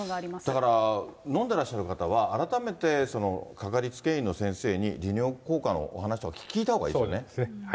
だから、飲んでらっしゃる方は、改めてかかりつけ医の先生に、利尿効果のお話とか聞いたほうがいいですね。